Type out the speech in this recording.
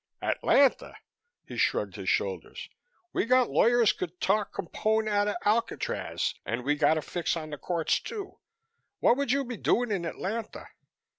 "Atlanta!" He shrugged his shoulders. "We got lawyers could talk Capone outa Alcatraz and we got a fix on the Courts, too. What would you be doin' in Atlanta?"